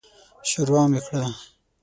ښوروا مې کړه.